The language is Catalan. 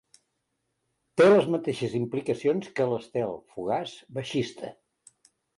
Té les mateixes implicacions que l'Estel fugaç baixista.